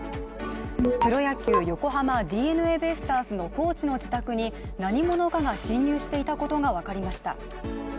プロ野球、横浜ＤｅＮＡベイスターズのコーチの自宅に何者かが侵入していたことが分かりました。